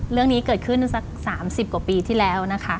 เรื่องนี้เกิดขึ้นสัก๓๐กว่าปีที่แล้วนะคะ